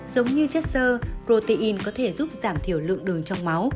giống như chất sơ protein có thể giúp giảm thiểu lượng đường trong máu